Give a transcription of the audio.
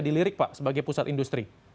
dilirik pak sebagai pusat industri